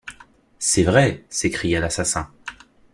C’est vrai! s’écria l’assassin.